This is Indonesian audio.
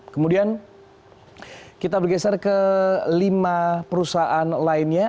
kemudian kita bergeser ke lima perusahaan lainnya